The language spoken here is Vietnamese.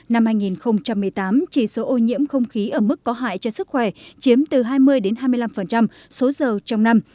năm hai nghìn một mươi tám chỉ số ô nhiễm không khí ở mức có hại cho sức khỏe chiếm từ hai mươi hai mươi năm số dầu trong năm